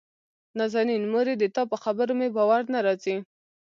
نازنين: مورې دتا په خبرو مې باور نه راځي.